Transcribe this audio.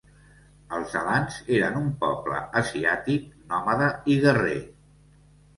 Els alans eren un poble asiàtic nòmada i guerrer.